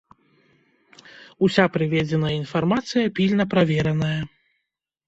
Уся прыведзеная інфармацыя пільна правераная.